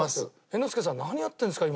猿之助さん何やってるんですか？